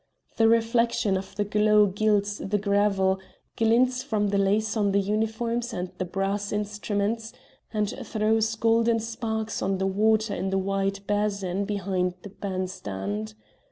The reflection of the glow gilds the gravel, glints from the lace on the uniforms and the brass instruments, and throws golden sparks on the water in the wide basin behind the bandstand.